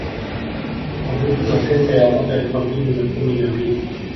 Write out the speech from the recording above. Kwa mujibu wa sensa ya mwaka elfu mbili na kumi na mbili